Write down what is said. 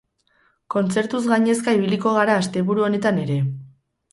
Kontzertuz gainezka ibiliko gara asteburu honetan ere.